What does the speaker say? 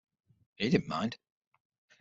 He didn't mind.